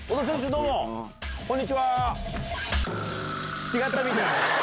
どうも、こんにちは。